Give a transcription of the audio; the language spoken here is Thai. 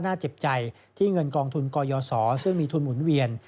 เจ็บใจที่เงินกองทุนกยศซึ่งมีทุนหมุนเวียน